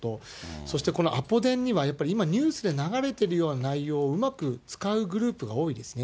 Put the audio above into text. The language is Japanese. そして、このアポ電には、今、ニュースで流れているような内容をうまく使うグループが多いですね。